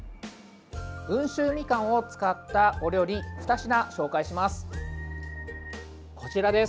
温州みかんを使ったお料理２品、紹介します。